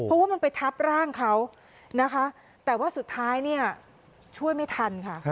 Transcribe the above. เพราะว่ามันไปทับร่างเขานะคะแต่ว่าสุดท้ายเนี่ยช่วยไม่ทันค่ะ